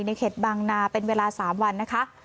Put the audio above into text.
เขตบางนาเป็นเวลา๓วันนะคะ